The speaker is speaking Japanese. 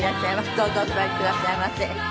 どうぞお座りくださいませ。